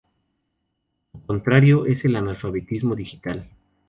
Su contrario es el analfabetismo digital.